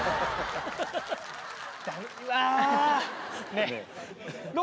ねえ。